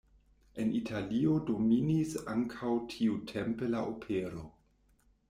En Italio dominis ankaŭ tiutempe la opero.